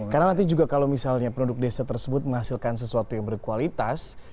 karena nanti juga kalau misalnya produk desa tersebut menghasilkan sesuatu yang berkualitas